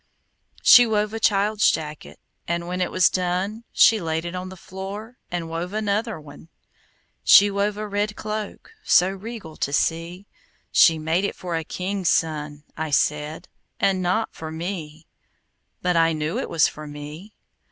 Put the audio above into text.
She wove a child's jacket, And when it was done She laid it on the floor And wove another one. She wove a red cloak So regal to see, "She's made it for a king's son," I said, "and not for me." But I knew it was for me.